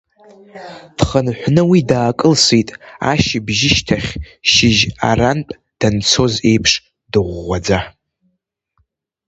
Дхынҳәны уи даакылсит ашьыбжьышьҭахь, шьыжь арантә данцоз еиԥш, дыгәгәаӡа…